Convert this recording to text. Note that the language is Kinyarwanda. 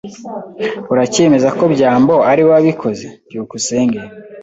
Uracyemeza ko byambo ariwe wabikoze? byukusenge